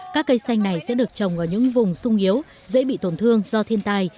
các cây xanh này sẽ được trồng ở những vùng sung yếu dễ bị tổn thương do thiên tai